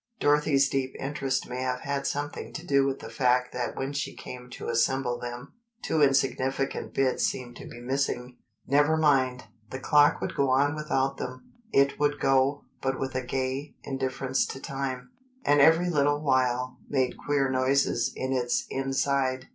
Dorothy's deep interest may have had something to do with the fact that when she came to assemble them, two insignificant bits seemed to be missing. Never mind, the clock would go without them. It would go, but with a gay indifference to time, and every little while made queer noises in its inside.